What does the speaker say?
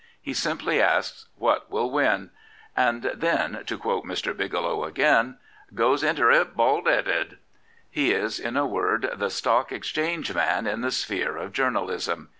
He simply asks, 'What will win? ' and then, to quote Mr. Biglow again, ' goes inter it baldheaded.' He is, in ,a word, the Stock Exchange man in the sphere of journalism.